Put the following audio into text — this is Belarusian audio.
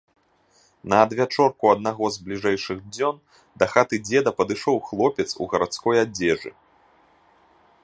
На адвячорку аднаго з бліжэйшых дзён да хаты дзеда падышоў хлопец у гарадской адзежы.